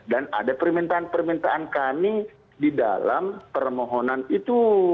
dan ada permintaan permintaan kami di dalam permohonan itu